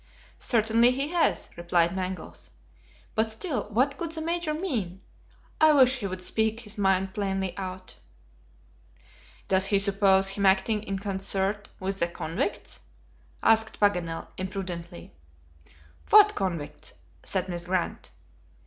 "Certainly he has," replied Mangles; "but still, what could the Major mean? I wish he would speak his mind plainly out." "Does he suppose him acting in concert with the convicts?" asked Paganel, imprudently. "What convicts?" said Miss Grant.